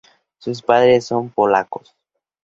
Sus padres son polacos.